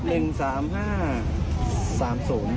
อืมสาธิตู